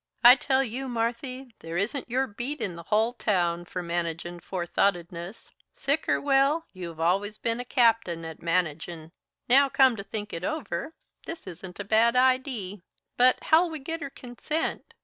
I tell you, Marthy, there isn't your beat in the hull town for managin' forethoughtedness. Sick or well, you've allus ben a captain at managin'. Now, come to think it over, this isn't a bad idee. But, how'll we git her consent?